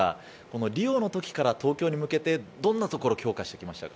リオの時から東京に向けてどんなところを強化してきましたか？